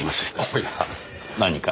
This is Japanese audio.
おや何か？